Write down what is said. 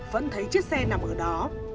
vẫn thấy chiếc xe nằm ở đó